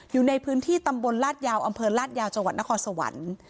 อยู่ในพื้นที่ตำบลลาดยาวอำเภอลาดยาวจังหวัดนครสวรรค์